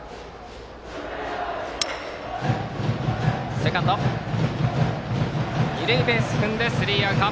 セカンドがとって二塁ベース踏んでスリーアウト。